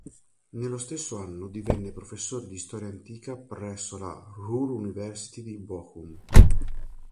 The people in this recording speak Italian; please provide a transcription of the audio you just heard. Nello stesso anno divenne professore di Storia Antica presso la Ruhr University di Bochum.